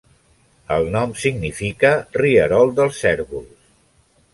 El nom significa "rierol dels cérvols".